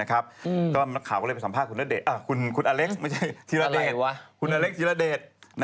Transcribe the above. ข่าวก็เลยไปสัมภาษณ์คุณอเล็กท์ไม่ใช่คุณอเล็กท์ทิรเดช